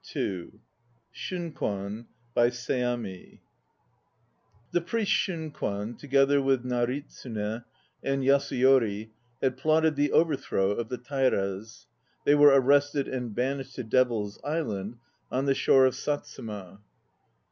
SHUNKWAN By SEAMI THE priest Shunkwan, together with Naritsune and Yasuyori, had plotted the overthrow of the Tairas. They were arrested and banished to Devil's Island on the shore of Satsuma.